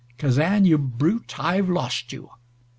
Kazan, you brute, I've lost you!"